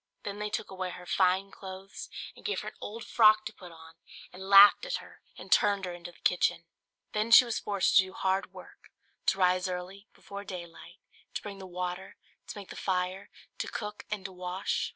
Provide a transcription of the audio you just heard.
Then they took away her fine clothes, and gave her an old frock to put on, and laughed at her and turned her into the kitchen. Then she was forced to do hard work; to rise early, before daylight, to bring the water, to make the fire, to cook and to wash.